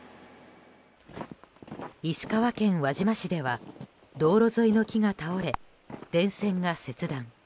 石川県輪島市では道路沿いの木が倒れ電線が切断。